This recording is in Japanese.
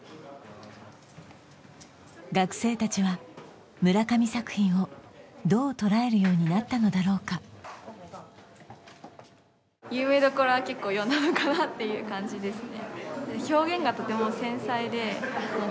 学生たちは村上作品をどう捉えるようになったのだろうかのかなっていう感じですね